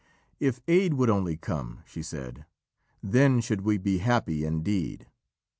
"If Aed would only come," she said, "then should we be happy indeed."